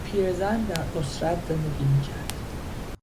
پیرزن در عسرت زندگی میکرد.